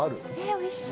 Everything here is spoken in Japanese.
おいしそう。